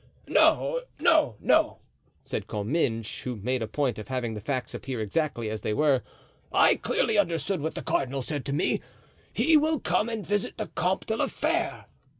"No, no, no," said Comminges, who made a point of having the facts appear exactly as they were, "I clearly understood what the cardinal said to me. He will come and visit the Comte de la Fere."